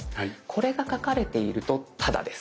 これが書かれているとタダです。